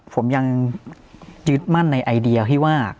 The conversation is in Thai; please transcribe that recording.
ผมยังยึดมั่นในไอเดียที่ว่า